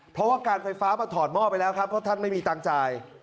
เพราะว่าการไฟฟ้ามาถอดหม้อไปแล้วครับเพราะท่านไม่มีตังค์จ่าย